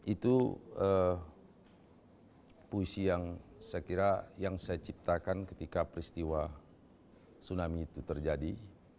itu puisi yang saya kira yang saya ciptakan ketika peristiwa tsunami itu terjadi